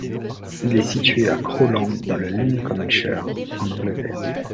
Elle est située à Crowland, dans le Lincolnshire, en Angleterre.